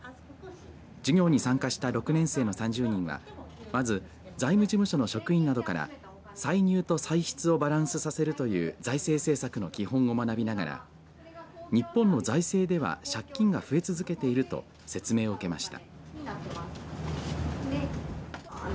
授業に参加した６年生の３０人はまず財務事務所の職員などから歳入と歳出をバランスさせるという財政政策の基本を学びながら日本の財政では借金が増え続けていると説明を受けました。